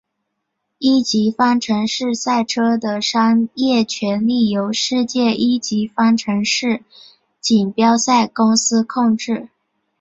一级方程式赛车的商业权利由世界一级方程式锦标赛公司控制。